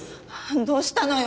どうしたのよ？